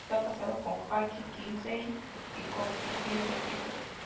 Esta casado con Jacqui Quincey con quien tiene dos hijos.